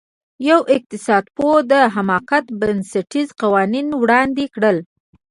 یوه اقتصادپوه د حماقت بنسټیز قوانین وړاندې کړل.